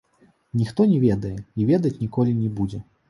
Ніхто не ведае і ведаць ніколі не будзе.